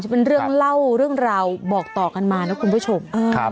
เป็นเรื่องเล่าเรื่องราวบอกต่อกันมานะคุณผู้ชม